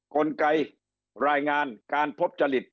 กลไกรายงานการพบจริต